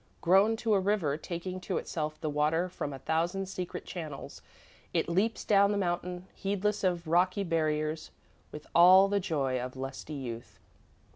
Grown to a river, taking to itself the water from a thousand secret channels, it leaps down the mountain, heedless of rocky barriers, with all the joy of lusty youth.